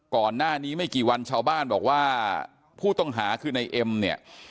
ก่อนหน้านี้ไม่กี่วันชาวบ้านบอกว่าผู้ต้องหาคือในเอ็มเนี่ย